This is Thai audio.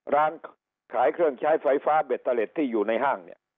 ร้านขายเครื่องใช้ไฟฟ้าเบตเตอร์เล็ตที่อยู่ในห้างเนี่ย